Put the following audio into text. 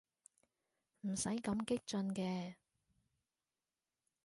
唔使咁激進嘅